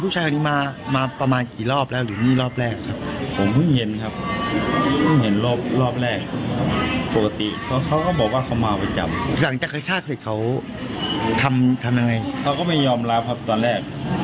จริงมีเสียงของญาติของคนนี้ไปต่อเถอะ